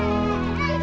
anderes yang harusnya